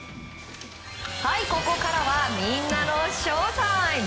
ここからはみんなのＳＨＯＷＴＩＭＥ。